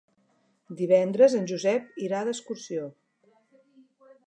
Divendres en Josep irà d'excursió.